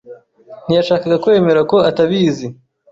ntiyashakaga kwemera ko atabizi.